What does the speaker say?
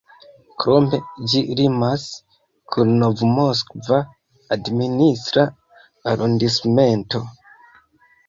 Krome, ĝi limas kun Nov-Moskva administra arondismento.